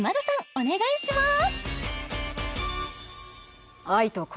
お願いします